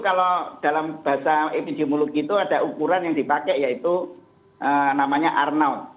kalau dalam bahasa epidemiologi itu ada ukuran yang dipakai yaitu namanya arnow